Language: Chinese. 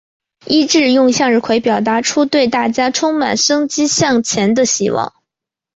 伊秩用向日葵表达出对大家充满生机向前的希望。